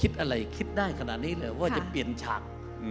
ฉากขนาดนี้เลยว่าจะเปลี่ยนฉาก